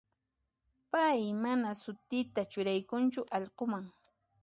Pay mana sutita churaykunchu allqunman.